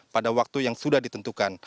pada waktu yang sudah ditentukan